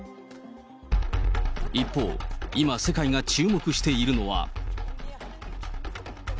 一方、今、世界が注目しているのは。